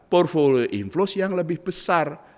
portfolio inflows yang lebih besar